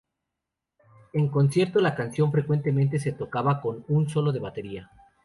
En concierto, la canción frecuentemente se tocaba con un "solo de batería".